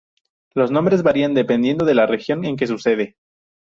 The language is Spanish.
Los nombres varían dependiendo de la región en que sucede.